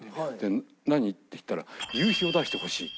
「何？」って言ったら「夕日を出してほしい」って。